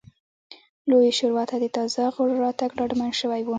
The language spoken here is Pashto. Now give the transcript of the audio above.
لویې شورا ته د تازه غړو راتګ ډاډمن شوی و